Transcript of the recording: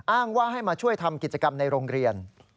อ้างว่าให้มาช่วยทำกิจกรรมในโรงเรียน